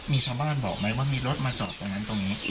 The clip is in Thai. มีชาวบ้านบอกไหมว่ามีรถมาจอดตรงนั้นตรงนี้